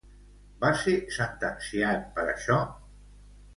Va ser sentenciat per això?